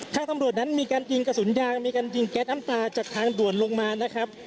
ทางตำรวจนั้นมีการยิงกระสุนยางมีการยิงแก๊สน้ำตาจากทางด่วนลงมานะครับ